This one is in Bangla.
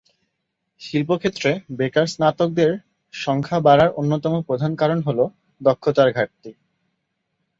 শিল্পক্ষেত্রে বেকার স্নাতকদের সংখ্যা বাড়ার অন্যতম প্রধান কারণ হল দক্ষতার ঘাটতি।